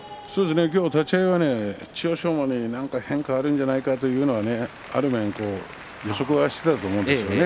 今日は立ち合いは千代翔馬に変化があるんじゃないかと予測はしていたと思うんですよね。